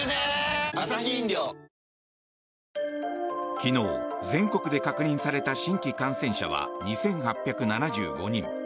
昨日全国で確認された新規感染者は２８７５人。